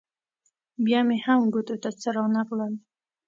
بیا مې هم ګوتو ته څه رانه غلل.